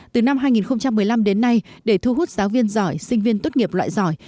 từ năm hai nghìn một mươi năm đến nay để thu hút giáo viên giỏi sinh viên tốt nghiệp loại giỏi